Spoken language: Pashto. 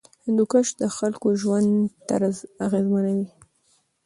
هندوکش د خلکو ژوند طرز اغېزمنوي.